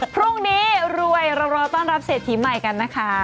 พรุ่งนี้รวยรอต้อนรับเซตทีมใหม่กันนะคะ